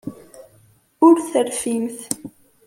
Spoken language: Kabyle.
Ur terfimt.